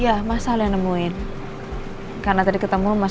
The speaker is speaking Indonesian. iya masa kalian nemuin karena tadi ketemu mas